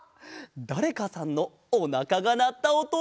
だれかさんのおなかがなったおと？